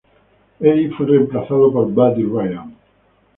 Eddy fue reemplazado por Buddy Ryan.